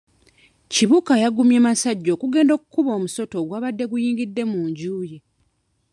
Kibuuka yagumye masajja okugenda okukuba omusota ogwabadde guyingidde mu nju ye.